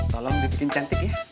tolong dibikin cantik ya